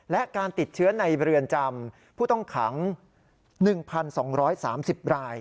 และการติดเชื้อในเรือนจำผู้ต้องขัง๑๒๓๐ราย